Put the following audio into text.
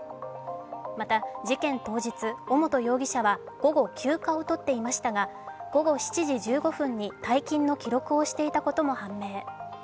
また事件当日、尾本容疑者は午後、休暇を取っていましたが午後７時１５分に退勤の記録をしていたことも判明。